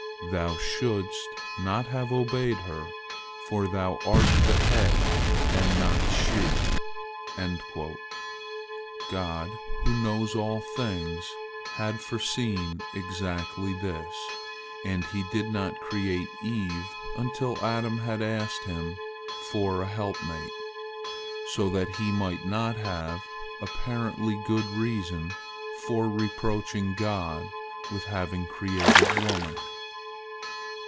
Thou shouldst not have obeyed her, for thou art the head, and not she." God, who knows all things, had foreseen exactly this, and He had not created Eve until Adam had asked Him for a helpmate, so that he might not have apparently good reason for reproaching God with having created woman.